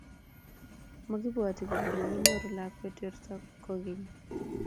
Makibwotu kole mukunyoru lakwet werto kukeny